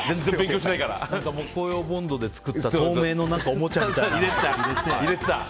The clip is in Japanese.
木工用ボンドで作った透明のおもちゃとか入れて。